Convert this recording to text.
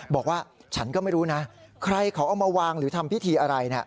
บอกว่าฉันก็ไม่รู้นะใครเขาเอามาวางหรือทำพิธีอะไร